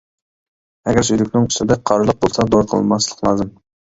ئەگەر سۈيدۈكنىڭ ئۈستىدە قارىلىق بولسا دورا قىلماسلىق لازىم.